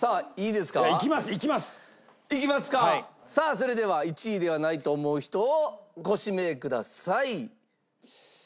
さあそれでは１位ではないと思う人をご指名ください。